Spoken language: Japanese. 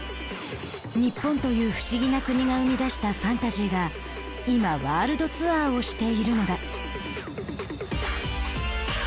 日本という不思議な国が生み出したファンタジーが今ワールドツアーをしているのだ。